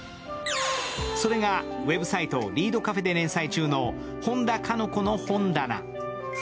それがウェブサイト、「リイドカフェ」で連載中の「本田鹿の子の本棚」。